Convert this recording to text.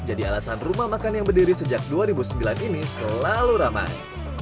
jadi alasan rumah makan yang berdiri sejak dua ribu sembilan ini selalu ramai